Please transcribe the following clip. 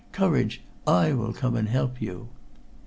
Courage! I will come and help you."